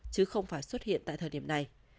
chứ không phải xuất hiện tại thời điểm này